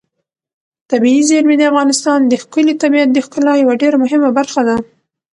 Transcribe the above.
طبیعي زیرمې د افغانستان د ښكلي طبیعت د ښکلا یوه ډېره مهمه برخه ده.